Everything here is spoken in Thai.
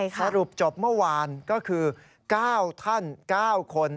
สรุปจบเมื่อวานก็คือ๙ท่าน๙คน